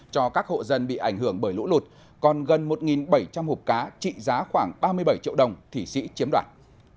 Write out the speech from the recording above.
cho các hộ dân bị ảnh hưởng bởi lũ lụt còn gần một bảy trăm linh hộp cá trị giá khoảng ba mươi bảy triệu đồng thì sĩ chiếm đoạt